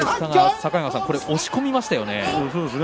境川さん、押し込みましたよね。